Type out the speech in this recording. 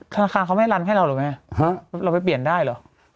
ธนาคารเขาไม่โรนให้เราหรอกไหมอืมฮะเราไปเปลี่ยนได้หรอ